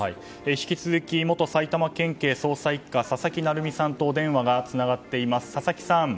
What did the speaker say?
引き続き、元埼玉県警捜査１課佐々木成三さんとお電話がつながっています。